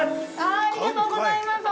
◆あーありがとうございます。